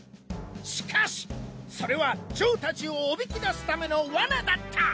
しかしそれはジョー達をおびき出すためのワナだった！